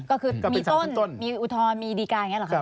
ก็คือมีต้นมีอุทธรณ์มีดีการอย่างนี้หรอครับ